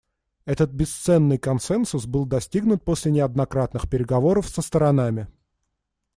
Этот бесценный консенсус был достигнут после неоднократных переговоров со сторонами.